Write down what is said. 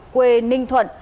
quê ninh thuận